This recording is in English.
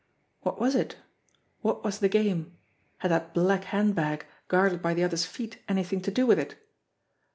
What was it ? What was the game ? Had that black hand bag, guarded by the other's feet, anything to do with it?